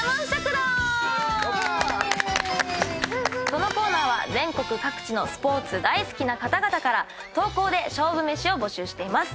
このコーナーは全国各地のスポーツ大好きな方々から投稿で勝負めしを募集しています。